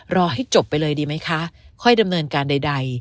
รอให้จบไปเลยดีไหมคะค่อยดำเนินการใด